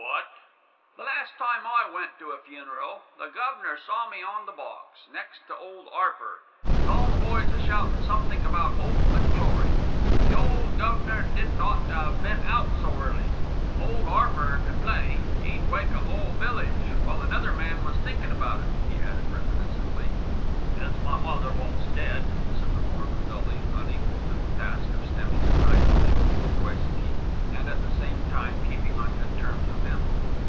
"A what?" "The last time I went to a funeral the guv'nor saw me on the box, next to Ole 'Arper, and all the boys a shoutin' somethink about 'Ope and Glory. The ole guv'nor didn't ought to 'ave been out so early. Ole 'Arper could play; 'e'd wake a 'ole village while another man was thinkin' about it," he added reminiscently. "It's my mother wot's dead," said the foreman dully, unequal to the task of stemming the tide of Bindle's loquacity and at the same time keeping on good terms with him.